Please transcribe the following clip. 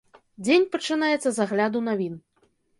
Дзень пачынаецца з агляду навін.